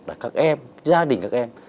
là các em gia đình các em